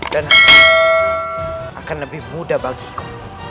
dan itu akan lebih mudah bagiku